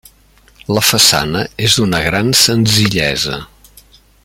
La façana és d'una gran senzillesa.